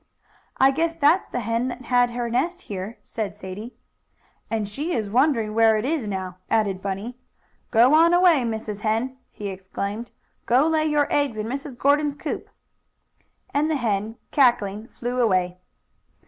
"I guess that's the hen that had her nest here," said Sadie. "And she is wondering where it is now," added Bunny. "Go on away, Mrs. Hen!" he exclaimed. "Go lay your eggs in Mrs. Gordon's coop." And the hen, cackling, flew away.